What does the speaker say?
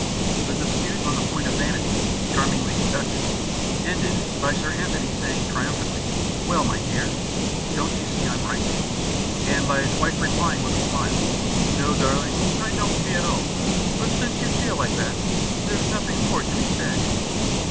The dispute on the point of vanity, charmingly conducted, ended by Sir Anthony saying triumphantly: "Well, my dear, don't you see I'm right?" and by his wife replying with a smile: "No, darling, I don't see at all. But since you feel like that, there's nothing more to be said."